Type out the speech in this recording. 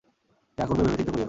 যা করবে ভেবেচিন্তে করিও।